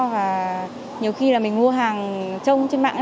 và nhiều khi là mình mua hàng trông trên mạng